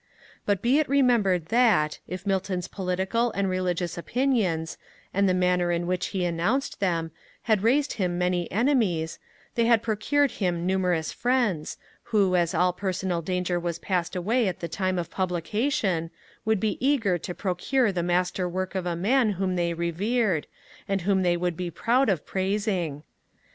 But be it remembered that, if Milton's political and religious opinions, and the manner in which he announced them, had raised him many enemies, they had procured him numerous friends, who, as all personal danger was passed away at the time of publication, would be eager to procure the master work of a man whom they revered, and whom they would be proud of praising.